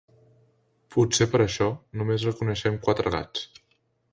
Potser per això només el coneixem quatre gats.